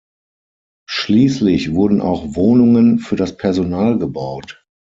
Schließlich wurden auch Wohnungen für das Personal gebaut.